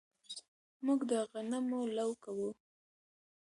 موږ د غنمو لو کوو